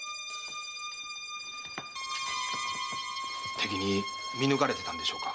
敵に見抜かれていたんでしょうか。